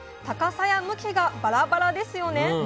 高さや向きがバラバラですよね？